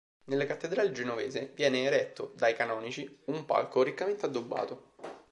Nella cattedrale genovese viene eretto dai Canonici un palco, riccamente addobbato.